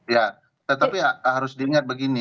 ya tetapi harus dilihat begini